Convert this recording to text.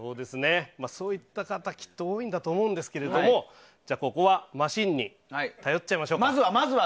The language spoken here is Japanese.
そういった方きっと多いんだと思うんですけれどもここはマシンに頼っちゃいましょうか。